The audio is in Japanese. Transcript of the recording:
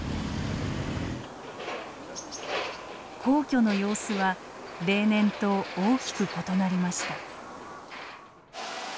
皇居の様子は例年と大きく異なりました。